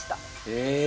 え。